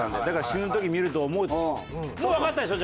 だから死ぬ時見ると思うって。